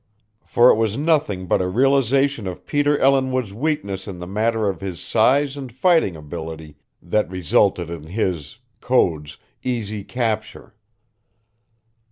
For it was nothing but a realization of Peter Ellinwood's weakness in the matter of his size and fighting ability that resulted in his (Code's) easy capture.